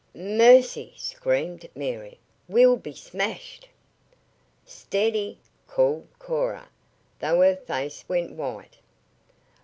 "Mercy!" screamed. Mary. "We'll be smashed!" "Steady!" called Cora, though her face went white.